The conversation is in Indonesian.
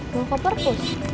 mau ke perpus